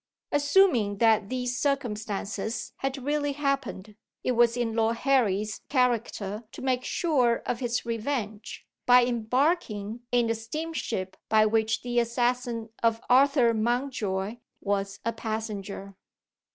Assuming that these circumstances had really happened, it was in Lord Harry's character to make sure of his revenge, by embarking in the steamship by which the assassin of Arthur Mountjoy was a passenger.